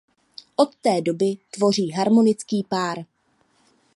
Od té doby tvoří harmonický pár.